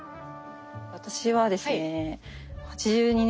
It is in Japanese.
私はですね